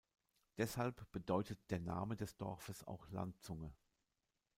Deshalb bedeutet der Name des Dorfes auch "Landzunge".